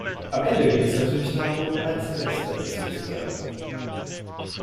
Am Ende geht es natürlich darum, als Erster im Ziel zu sein.